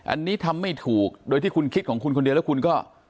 อันนี้ทำไม่ถูกโดยที่คุณคิดของคุณคนเดียวแล้วคุณก็